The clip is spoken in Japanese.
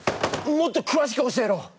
もっとくわしく教えろ！